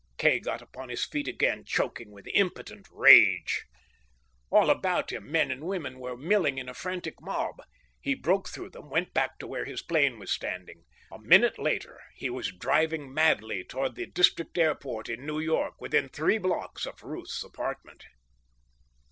Kay got upon his feet again, choking with impotent rage. All about him men and women were milling in a frantic mob. He broke through them, went back to where his plane was standing. A minute later he was driving madly toward the district airport in New York within three blocks of Ruth's apartment.